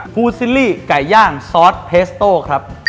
ูซิลลี่ไก่ย่างซอสเพสโต้ครับ